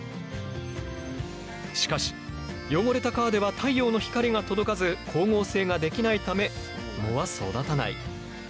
しかし汚れた川では太陽の光が届かず光合成ができないため藻は育たない。